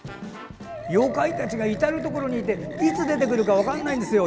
妖怪たちが至る所にいていつ出てくるか分からないんですよ。